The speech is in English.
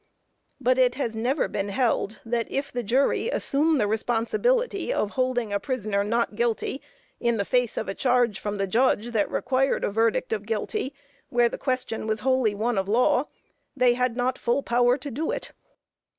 But it has never been held that if the jury assume the responsibility of holding a prisoner not guilty in the face of a charge from the judge that required a verdict of guilty, where the question was wholly one of law, they had not full power to do it.